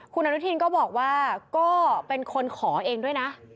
คุณอนุทินก็บอกว่าก็เป็นคนขอเองด้วยนะ